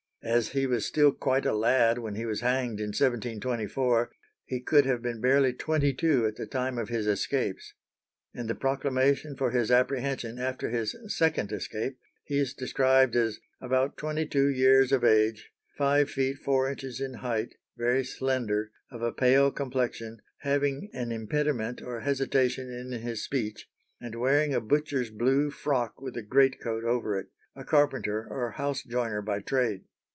As he was still quite a lad when he was hanged in 1724, he could have been barely twenty two at the time of his escapes. In the proclamation for his apprehension after his second escape, he is described as about twenty two years of age, five feet four inches in height, very slender, of a pale complexion, having an impediment or hesitation in his speech and wearing a butcher's blue frock with a greatcoat over it; a carpenter or house joiner by trade.